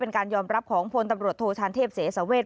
การยอมรับของพลตำรวจโทชานเทพเสสเวท